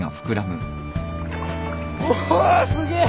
おおすげえ！